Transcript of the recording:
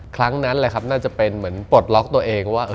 ครั้งนั้นแหละครับน่าจะเป็นเหมือนปลดล็อกตัวเองว่า